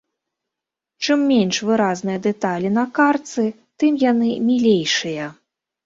Чым менш выразныя дэталі на картцы, тым яны мілейшыя.